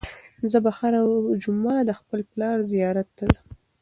زه به هره جمعه د خپل پلار زیارت ته ځم.